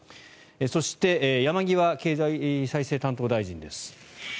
そして山際経済再生担当大臣です。